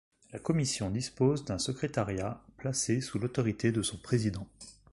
La Commission dispose d'un secrétariat placé sous l'autorité de son président.